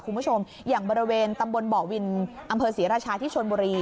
คุณผู้ชมอย่างบริเวณตำบลบ่อวินอำเภอศรีราชาที่ชนบุรี